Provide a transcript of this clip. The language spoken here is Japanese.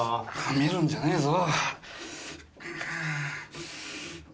見るんじゃねえぞ。